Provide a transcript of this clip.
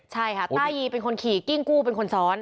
ใช่ค่ะต้ายีเป็นคนขี่กิ้งกู้เป็นคนซ้อน